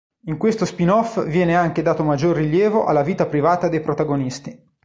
In questo spin-off viene anche dato maggior rilievo alla vita privata dei protagonisti.